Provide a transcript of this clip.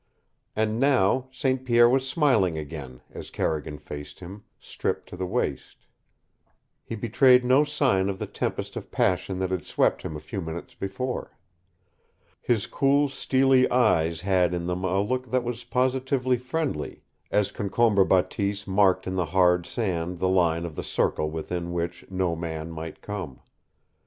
And now St. Pierre was smiling again, as Carrigan faced him, stripped to the waist. He betrayed no sign of the tempest of passion that had swept him a few minutes before. His cool, steely eyes had in them a look that was positively friendly, as Concombre Bateese marked in the hard sand the line of the circle within which no man might come.